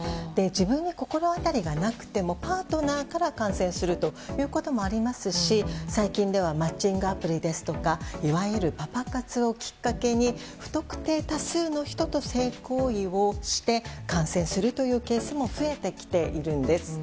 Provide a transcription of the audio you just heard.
自分に心当たりがなくてもパートナーから感染するということもありますし最近ではマッチングアプリですとかいわゆるパパ活をきっかけに不特定多数の人と性行為をして感染するというケースも増えてきているんです。